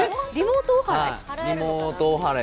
リモートおはらい？